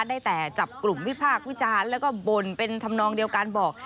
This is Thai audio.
ได้แต่จับกลุ่มวิพากษ์วิจารณ์แล้วก็บ่นเป็นธรรมนองเดียวกันบอก